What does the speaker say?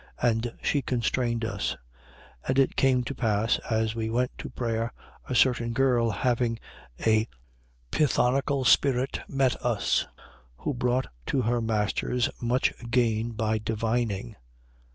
And she constrained us. 16:16. And it came to pass, as we went to prayer, a certain girl having a pythonical spirit met us, who brought to her masters much gain by divining.